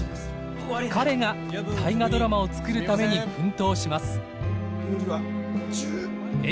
彼が「大河ドラマ」を作るために奮闘します。